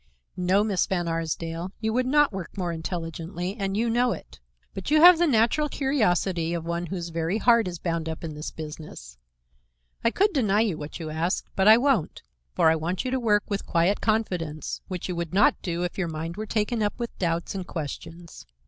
"No, Miss Van Arsdale, you would not work more intelligently, and you know it. But you have the natural curiosity of one whose very heart is bound up in this business. I could deny you what you ask but I won't, for I want you to work with quiet confidence, which you would not do if your mind were taken up with doubts and questions.